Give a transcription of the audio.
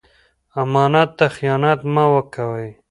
امانت ته خیانت مه کوئ.